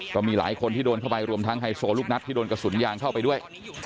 ก็มีหลายคนที่โดนเข้าไปรวมทั้งไฮโซลูกนัดที่โดนกระสุนยางเข้าไปด้วย